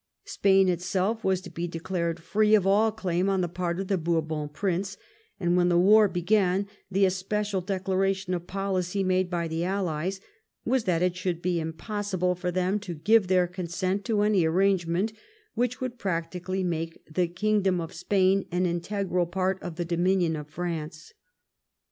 Spain itself was to be declared free of all claim on the part of the Bourbon prince, and when the war be gan the especial declaration of policy made by the allies was that it would be impossible for them to give their consent to any arrangement which would practically make the kingdom of Spain an integral part of the dominion of France.